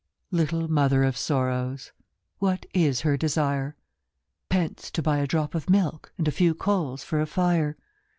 LITTLE mother of sorrows, What is her desire ?' Pence, to buy a drop of milk And a few coals for a fire.